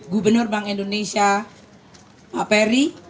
gubernur bank indonesia pak peri